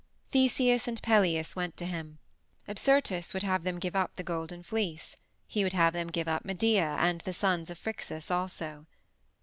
Theseus and Peleus went to him. Apsyrtus would have them give up the Golden Fleece; he would have them give up Medea and the sons of Phrixus also.